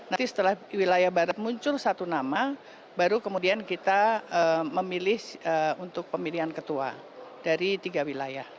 nanti setelah wilayah barat muncul satu nama baru kemudian kita memilih untuk pemilihan ketua dari tiga wilayah